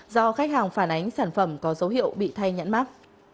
do khách hàng phản ánh sản phẩm có dấu hiệu bị thay nhãn mắc